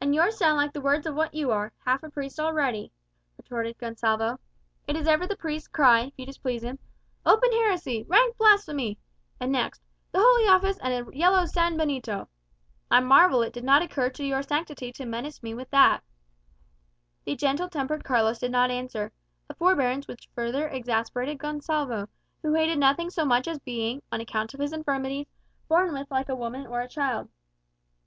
"And yours sound like the words of what you are, half a priest already," retorted Gonsalvo. "It is ever the priest's cry, if you displease him, 'Open heresy!' 'Rank blasphemy!' And next, 'the Holy Office, and a yellow Sanbenito.' I marvel it did not occur to your sanctity to menace me with that." The gentle tempered Carlos did not answer; a forbearance which further exasperated Gonsalvo, who hated nothing so much as being, on account of his infirmities, borne with like a woman or a child.